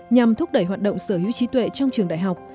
nhằm thúc đẩy hoạt động sở hữu trí tuệ trong trường đại học